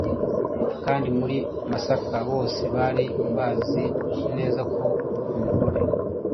kandi muri Masaka bose bari bazi neza ko umugore